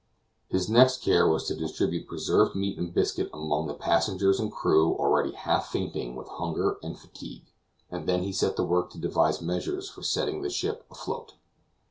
His next care was to distribute preserved meat and biscuit among the passengers and crew already half fainting with hunger and fatigue, and then he set to work to devise measures for setting the ship afloat.